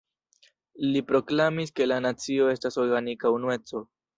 Li proklamis, ke la nacio estas organika unueco.